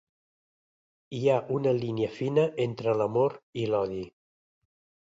Hi ha una línia fina entre l'amor i l'odi.